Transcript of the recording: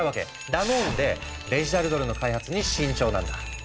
だもんでデジタルドルの開発に慎重なんだ。